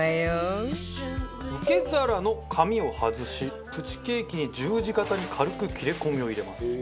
受け皿の紙を外しプチケーキに十字形に軽く切れ込みを入れます。